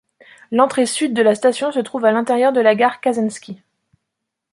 L'entrée sud de la station se trouve à l'intérieur de la gare Kazanski.